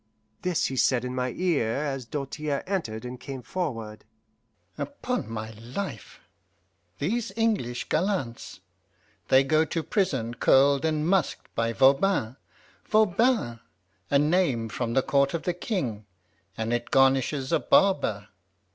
This he said in my ear as Doltaire entered and came forward. "Upon my life!" Doltaire broke out. "These English gallants! They go to prison curled and musked by Voban. VOBAN a name from the court of the King, and it garnishes a barber.